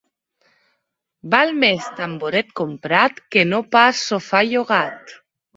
Val més tamboret comprat que no pas sofà llogat.